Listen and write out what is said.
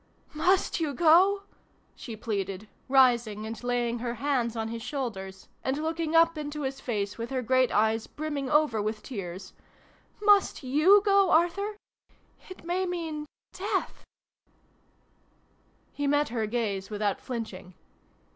" Must you go ?" she pleaded, rising and laying her hands on his shoulders, and looking up into his face with her great eyes brimming over with tears. " Must yoii go, Arthur ? It may mean death \" He met her gaze without flinching.